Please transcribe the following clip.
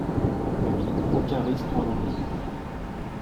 Lui, aucun risque qu’on l’oublie!